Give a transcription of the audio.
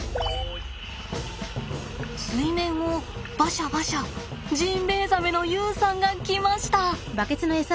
水面をバシャバシャジンベエザメの遊さんが来ました！